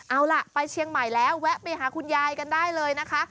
เอาล่ะไปเชียงใหม่แล้วแวะไปหาคุณยายกันได้เลยนะคะ